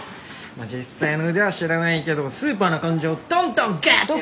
まあ実際の腕は知らないけどスーパーな患者をどんどんゲット。